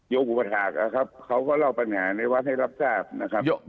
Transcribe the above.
อุปถาคนะครับเขาก็เล่าปัญหาในวัดให้รับทราบนะครับ